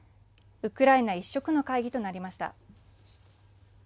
ウクライナ一色の会議となりました。